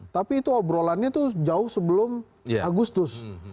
tapi itu obrolannya itu jauh sebelum agustus